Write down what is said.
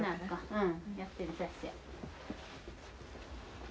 うん。